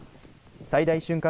最大瞬間